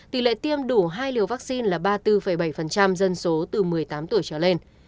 tỷ lệ tiêm đủ hai liều vaccine là ba mươi bốn bảy dân số từ một mươi tám tuổi trở lên